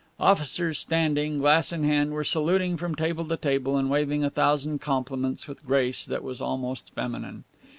Officers standing, glass in hand, were saluting from table to table and waving a thousand compliments with grace that was almost feminine.